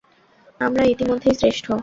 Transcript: আমরা ইতিমধ্যেই শ্রেষ্ঠ।